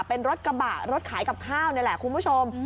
เป็นรถกระบะรถขายกับข้าวนี่แหละคุณผู้ชม